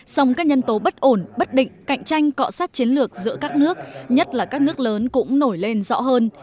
song các nhân tố bất ổn bất định cạnh tranh cọ sát chiến lược giữa các nước nhất là các nước lớn cũng nổi lên rõ hơn